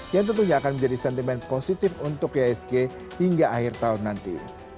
yang tentunya akan menjadi sentimen positif untuk ihsg hingga akhir tahun nanti